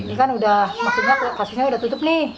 ini kan udah maksudnya kasusnya udah tutup nih